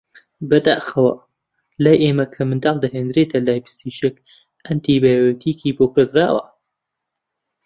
بەداخەوە لای ئێمە کە منداڵ دەهێنرێتە لای پزیشک ئەنتی بایۆتیکی بۆ کڕدراوە